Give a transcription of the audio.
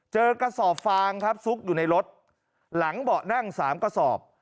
กระสอบฟางครับซุกอยู่ในรถหลังเบาะนั่ง๓กระสอบ